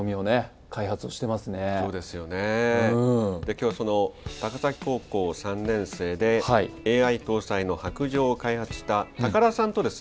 今日はその高崎高校３年生でＡＩ搭載の白杖を開発した高田さんとですね